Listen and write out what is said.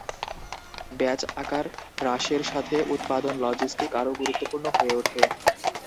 Batch আকার হ্রাসের সাথে উৎপাদন লজিস্টিক আরও গুরুত্বপূর্ণ হয়ে ওঠে।